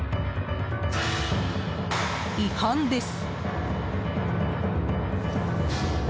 違反です。